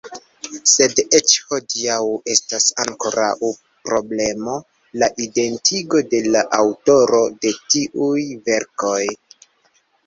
Sed eĉ hodiaŭ estas ankoraŭ problemo la identigo de la aŭtoro de tiuj verkoj.